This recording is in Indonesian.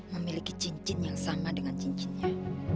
memiliki cincin yang sama dengan cincinnya